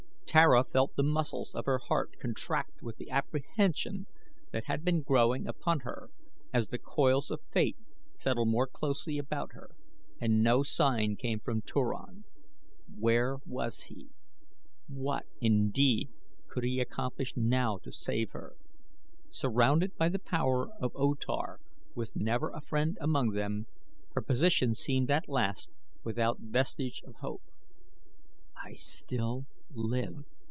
Tara felt the muscles of her heart contract with the apprehension that had been growing upon her as the coils of Fate settled more closely about her and no sign came from Turan. Where was he? What, indeed, could he accomplish now to save her? Surrounded by the power of O Tar with never a friend among them, her position seemed at last without vestige of hope. "I still live!"